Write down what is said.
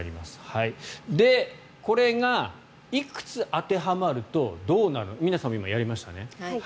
これがいくつ当てはまるとどうなのか皆さんも今、やりましたね。